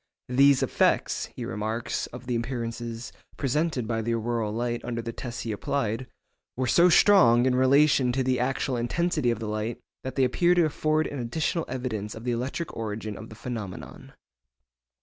'These effects,' he remarks of the appearances presented by the auroral light under the tests he applied, 'were so strong in relation to the actual intensity of the light, that they appear to afford an additional evidence of the electric origin of the phenomenon.